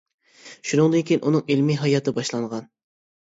شۇنىڭدىن كېيىن ئۇنىڭ ئىلمىي ھاياتى باشلانغان.